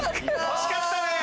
惜しかった。